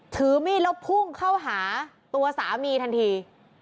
ตัวสามีทันที